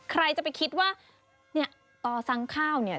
ใครจะไปคิดว่าเนี่ยต่อสั่งข้าวเนี่ย